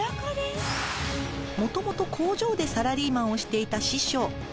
もともと工場でサラリーマンをしていた師匠。